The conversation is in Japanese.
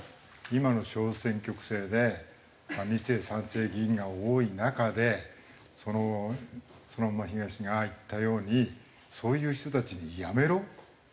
今の小選挙区制で二世三世議員が多い中でそのそのまんま東が言ったようにそういう人たちに辞めろ？